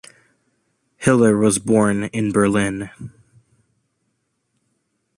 Hiller was born in Berlin.